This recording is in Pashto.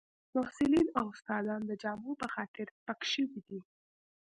محصلین او استادان د جامو په خاطر سپک شوي دي